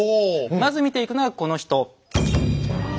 まず見ていくのがこの人。